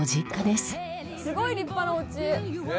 すごい立派なおうち！ねえ。